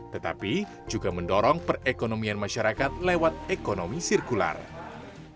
tetapi juga mendorong perekonomian masyarakat lewat ekonomi sirkular